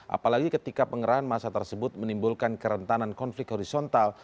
apalagi ketika pengerahan masa tersebut menimbulkan kerentanan konflik horizontal